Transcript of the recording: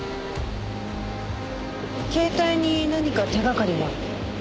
携帯に何か手掛かりは？